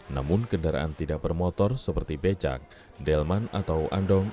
namun kendaraan tidak bermotor seperti becak delman atau andong